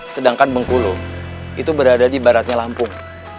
sedangkan bengkulu itu berada di baratnya lampung